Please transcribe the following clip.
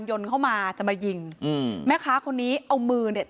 ยนต์เข้ามาจะมายิงอืมแม่ค้าคนนี้เอามือเนี่ย